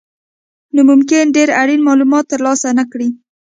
نو ممکن ډېر اړین مالومات ترلاسه نه کړئ.